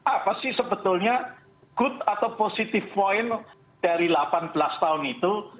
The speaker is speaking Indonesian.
apa sih sebetulnya good atau positive point dari delapan belas tahun itu